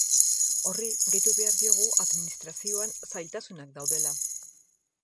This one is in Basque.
Horri gehitu behar diogu administrazioan zailtasunak daudela.